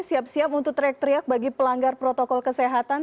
siap siap untuk teriak teriak bagi pelanggar protokol kesehatan